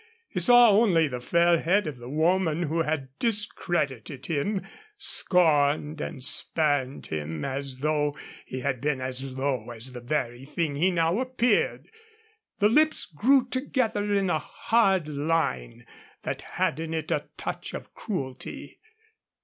He saw only the fair head of the woman who had discredited him, scorned and spurned him as though he had been as low as the very thing he now appeared. The lips grew together in a hard line that had in it a touch of cruelty.